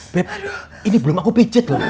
bpn ini belum aku pijit loh